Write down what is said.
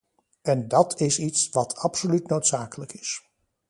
En dat is iets wat absoluut noodzakelijk is.